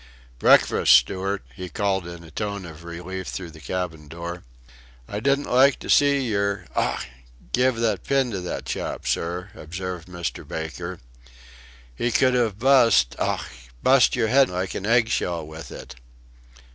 "Breakfast, steward," he called in a tone of relief through the cabin door. "I didn't like to see you Ough! give that pin to that chap, sir," observed Mr. Baker; "he could have bust Ough! bust your head like an eggshell with it."